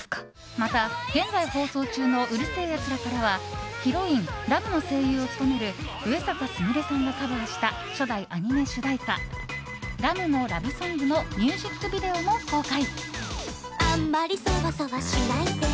また、現在放送中の「うる星やつら」からはヒロイン、ラムの声優を務める上坂すみれさんがカバーした初代アニメ主題歌「ラムのラブソング」のミュージックビデオも公開。